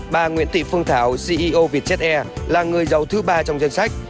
bà nguyễn thị phương thảo ceo vietjet air là người giàu thứ ba trong danh sách